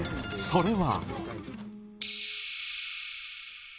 それは。